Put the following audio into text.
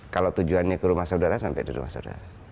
kalau tujuannya ke rumah saudara sampai di rumah saudara